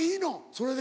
それで。